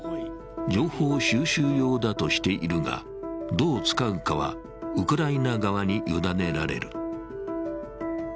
情報収集用だとしているが、どう使うかはウクライナ側に委ねられる。